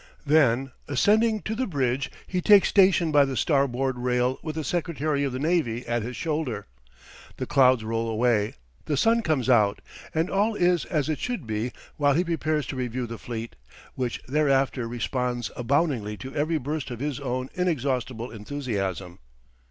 Then, ascending to the bridge, he takes station by the starboard rail with the Secretary of the Navy at his shoulder. The clouds roll away, the sun comes out, and all is as it should be while he prepares to review the fleet, which thereafter responds aboundingly to every burst of his own inexhaustible enthusiasm.